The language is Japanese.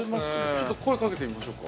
ちょっと声かけてみましょうか。